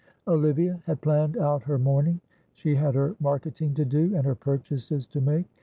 Olivia had planned out her morning. She had her marketing to do, and her purchases to make.